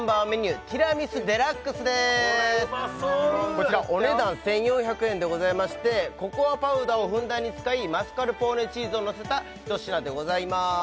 こちらお値段１４００円でございましてココアパウダーをふんだんに使いマスカルポーネチーズをのせた一品でございます